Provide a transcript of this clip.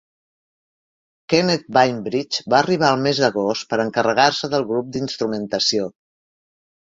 Kenneth Bainbridge va arribar el mes d'agost per encarregar-se del grup d'instrumentació.